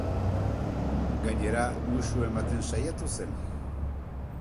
Gainera, musu ematen saiatu zen.